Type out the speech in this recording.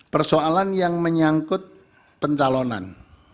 persoalan yang menyangkut pencalonan